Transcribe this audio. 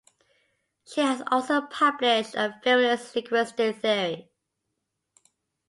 She has also published on feminist linguistic theory.